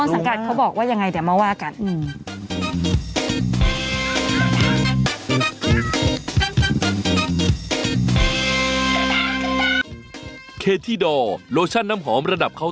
สังกัดเขาบอกว่ายังไงเดี๋ยวมาว่ากัน